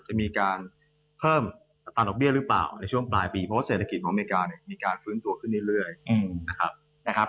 จะมีการเพิ่มอัตราดอกเบี้ยหรือเปล่าในช่วงปลายปีเพราะว่าเศรษฐกิจของอเมริกาเนี่ยมีการฟื้นตัวขึ้นเรื่อยนะครับ